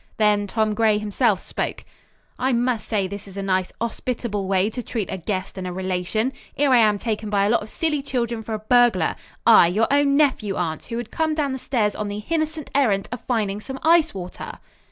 Then Tom Gray himself spoke. "I must say this is a nice 'ospitable way to treat a guest and a relation. 'Ere I am taken by a lot of silly children for a burglar. I, your own nephew, awnt, who 'ad come down stairs on the h'innocent h'errand of finding some h'ice water."